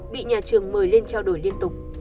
bị nhà trường mời lên trao đổi liên tục